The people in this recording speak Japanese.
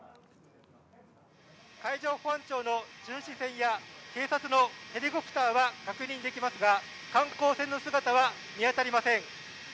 海上保安庁の巡視船や警察のヘリコプターは確認できますが、観光船の姿は見当たりません。